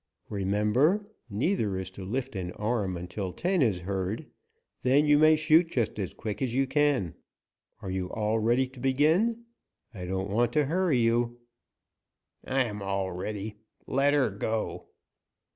Remember, neither is to lift an arm until ten is heard; then you may shoot just as quick as you can. Are you all ready to begin? I don't want to hurry you." "I am all ready; let her go."